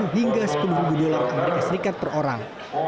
hingga sepuluh dolar as per orang